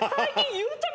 ゆうちゃみ